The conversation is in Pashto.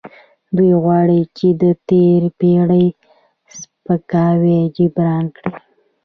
دوی غواړي چې د تیرې پیړۍ سپکاوی جبران کړي.